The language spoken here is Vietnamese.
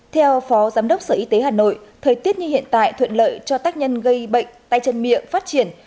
theo phó giám đốc sở y tế hà nội thời tiết như hiện tại thuận lợi cho tác nhân gây bệnh tay chân miệng phát triển